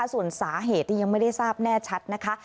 ส่วนสาเหตุที่ยังไม่ได้ทราบแน่ชัดนะคะ